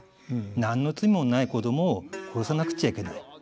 「何の罪もない子供を殺さなくちゃいけない。